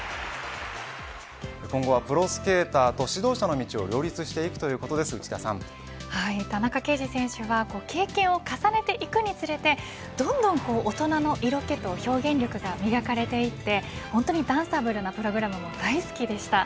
今後はプロスケーターと指導者の道を田中刑事選手は経験を重ねていくにつれてどんどん大人の色気と表現力が磨かれていってダンサブルなプログラムも大好きでした。